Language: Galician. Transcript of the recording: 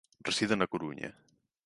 Reside na Coruña.